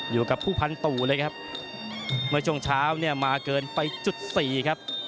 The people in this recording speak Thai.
อยู่กับผู้พันตู่เลยครับเมื่อช่วงเช้าเนี่ยมาเกินไปจุดสี่ครับ